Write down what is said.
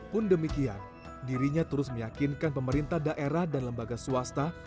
pun demikian dirinya terus meyakinkan pemerintah daerah dan lembaga swasta